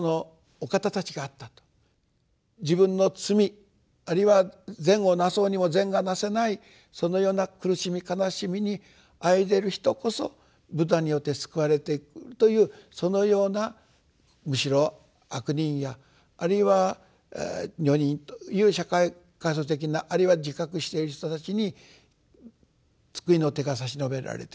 自分の罪あるいは善をなそうにも善がなせないそのような苦しみ悲しみにあえいでいる人こそブッダによって救われていくというそのようなむしろ悪人やあるいは女人という社会下層的なあるいは自覚している人たちに救いの手が差し伸べられてくると。